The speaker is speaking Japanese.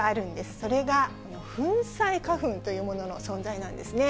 それが、この粉砕花粉というものの存在なんですね。